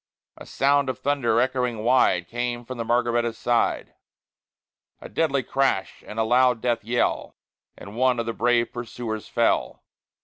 A sound of thunder, echoing wide, Came from the Margaretta's side; A deadly crash, and a loud death yell, And one of the brave pursuers fell.